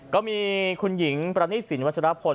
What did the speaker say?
ก็มีคุณหญิงประณีศิลป์วัชรพล